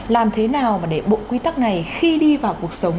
làm thế nào để bộ quy tắc này khi đi vào cuộc sống